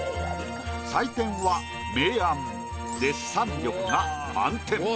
採点は明暗デッサン力が満点。